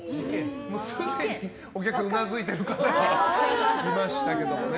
すでにお客さんうなずいてる方いましたけど。